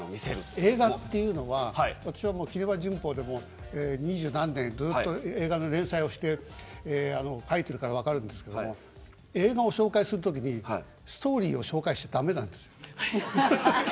映画っていうのは私はキネマ旬報で２０何年映画の連載をして書いてるから分かるんですけど映画を紹介するときにストーリーを紹介しちゃ駄目なんです。